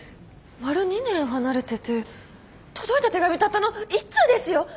丸２年離れてて届いた手紙たったの１通ですよ？